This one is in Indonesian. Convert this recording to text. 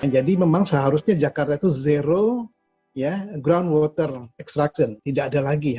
jadi memang seharusnya jakarta itu zero ground water extraction tidak ada lagi